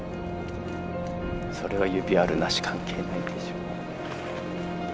それは指あるなし関係ないでしょ。